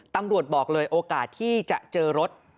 ตำรวจบอกเลยโอกาสที่จะเจอรถ